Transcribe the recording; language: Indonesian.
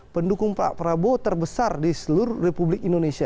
pendukung pak prabowo terbesar di seluruh republik indonesia